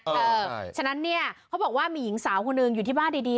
เพราะฉะนั้นเนี่ยเขาบอกว่ามีหญิงสาวคนหนึ่งอยู่ที่บ้านดี